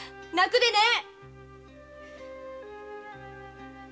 泣くでねぇ。